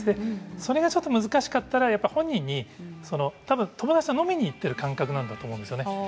それが難しかったら本人にたぶん友達と飲みに行っている感覚だと思うんですよね。